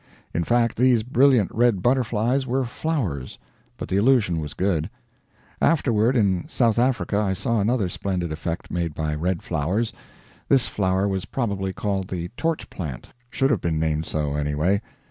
In fact these brilliant red butterflies were flowers, but the illusion was good. Afterward in South Africa, I saw another splendid effect made by red flowers. This flower was probably called the torch plant should have been so named, anyway.